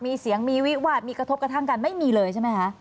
มีเสียงมีวิวาดมีกระทบกระทั่งกันไม่มีเลยใช่ไหมคะ